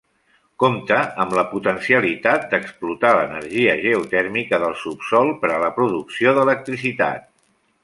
Compta amb la potencialitat d'explotar l'energia geotèrmica del subsòl per la producció d'electricitat.